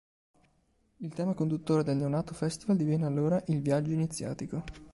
Il tema conduttore del neonato Festival diviene allora "Il Viaggio Iniziatico".